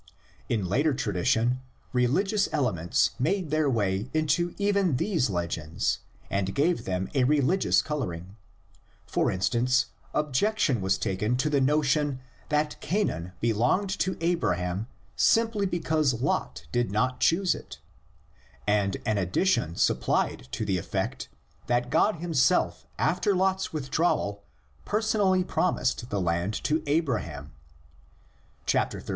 In later tradition religious elements made their way into even these legends and gave them a religious color ing. For instance, objection was taken to the notion that Canaan belonged to Abraham simply because Lot did not choose it, and an addition sup plied to the effect that God himself after Lot's with drawal personally promised the land to Abraham (xiii.